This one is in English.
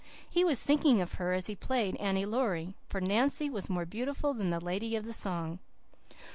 He was thinking of her as he played 'Annie Laurie,' for Nancy was more beautiful than the lady of the song.